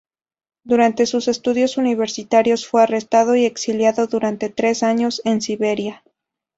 Durante sus estudios universitarios fue arrestado y exiliado durante tres años en Siberia.